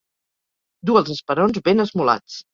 Dur els esperons ben esmolats.